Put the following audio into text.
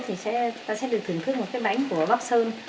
thì ta sẽ được thưởng thức một cái bánh của bắp sơn